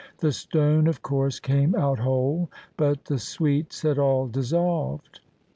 The stone of course came out whole, but the sweets had all dissolved.